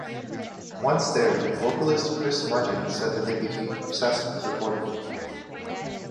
Once there, vocalist Chris Martin said that they became obsessed with recording.